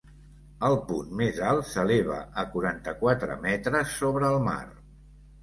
El punt més alt s'eleva a quaranta-quatre metres sobre el mar.